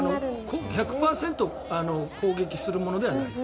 １００％攻撃するものではない。